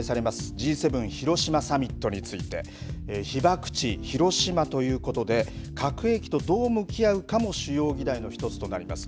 Ｇ７、広島サミットについて被爆地、広島ということで核兵器とどう向き合うかも主要議題の１つとなります。